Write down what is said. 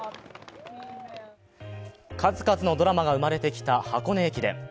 数々のドラマが生まれてきた箱根駅伝。